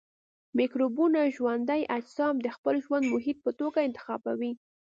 مکروبونه ژوندي اجسام د خپل ژوند محیط په توګه انتخابوي.